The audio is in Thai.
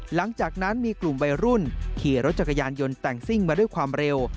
หลังจากนั้นมีกลุ่มวัยรุ่นขี่รถจักรยานยนต์แต่งซิ่งมาด้วยความเร็ว